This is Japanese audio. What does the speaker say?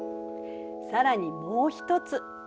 更にもう一つ。